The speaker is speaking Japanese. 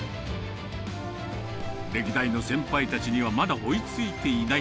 歴代の先輩たちにはまだ追いついていない。